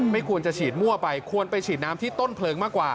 ไม่ควรจะฉีดมั่วไปควรไปฉีดน้ำที่ต้นเพลิงมากกว่า